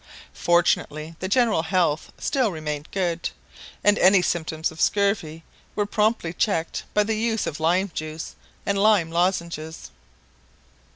Fortunately the general health still remained good, and any symptoms of scurvy were promptly checked by the use of lime juice and lime lozenges.